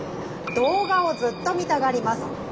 「動画をずっと見たがります。